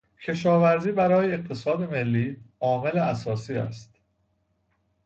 کشاورزی برای اقتصاد ملی عامل اساسی است.